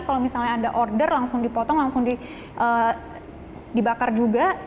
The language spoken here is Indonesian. kalau misalnya anda order langsung dipotong langsung dibakar juga